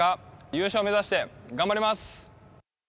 優勝目指して頑張ります！